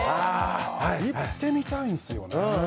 行ってみたいんすよね。